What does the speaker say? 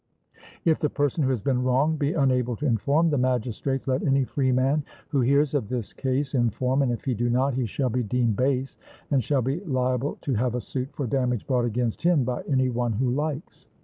If the person who has been wronged be unable to inform the magistrates, let any freeman who hears of his case inform, and if he do not, he shall be deemed base, and shall be liable to have a suit for damage brought against him by any one who likes.